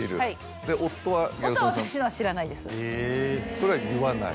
それは言わない？